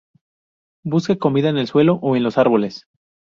Busca su comida en el suelo o en los árboles.